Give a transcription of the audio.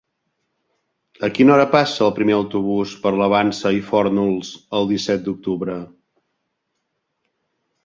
A quina hora passa el primer autobús per la Vansa i Fórnols el disset d'octubre?